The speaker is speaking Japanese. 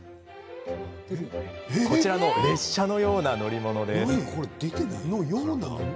こちらの列車のような乗り物です。